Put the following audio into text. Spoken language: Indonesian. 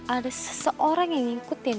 ada seseorang yang ngikutin